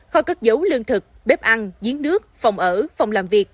kho cất dấu lương thực bếp ăn giếng nước phòng ở phòng làm việc